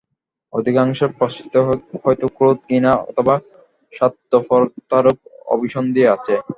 অধিকাংশের পশ্চাতেই হয়তো ক্রোধ, ঘৃণা অথবা স্বার্থপরতারূপ অভিসন্ধি আছে।